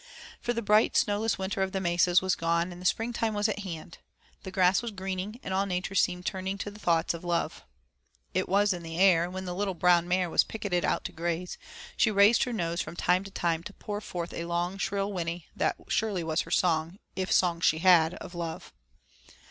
For the bright snowless winter of the mesas was gone and the springtime was at hand. The grass was greening and all nature seemed turning to thoughts of love. It was in the air, and when the little brown mare was picketed out to graze she raised her nose from time to time to pour forth a long shrill whinny that surely was her song, if song she had, of love.